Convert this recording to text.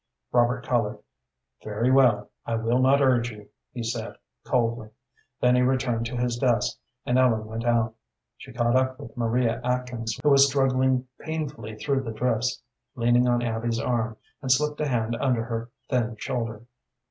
Robert colored. "Very well; I will not urge you," he said, coldly. Then he returned to his desk, and Ellen went out. She caught up with Maria Atkins, who was struggling painfully through the drifts, leaning on Abby's arm, and slipped a hand under her thin shoulder.